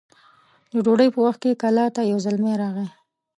د ډوډۍ په وخت کلا ته يو زلمی راغی